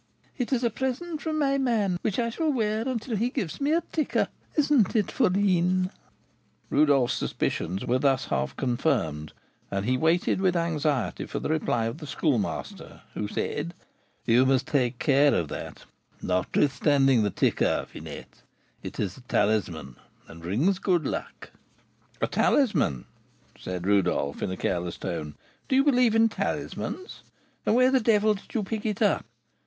"It is a present from my man, which I shall wear until he gives me a 'ticker.' Isn't it, fourline?" Rodolph's suspicions were thus half confirmed, and he waited with anxiety for the reply of the Schoolmaster, who said: "You must take care of that, notwithstanding the 'ticker,' Finette; it is a talisman, and brings good luck." "A talisman!" said Rodolph, in a careless tone; "do you believe in talismans? And where the devil did you pick it up?